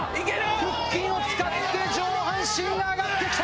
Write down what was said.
腹筋を使って上半身が上がって来た。